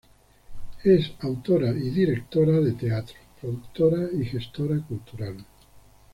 Es autora y directora de teatro, productora y gestora cultural.